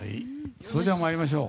それでは参りましょう。